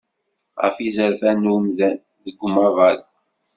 Ɣef yizerfan n umdan, deg umaḍal.